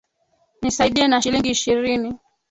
Nisaidie na shilingi ishirini